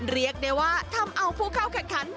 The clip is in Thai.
เรียกได้ว่าทำเอาผู้เข้าแข่งขัน